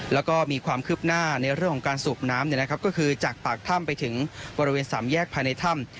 แล้วก็มีความคืบหน้าในเรื่องของการสูบน้ำก็คือจากปากถ้ำไปถึงบริเวณสามแยกภายในถ้ำ